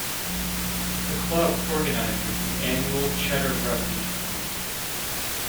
The club organises an annual Cheddar Rugby Tournament.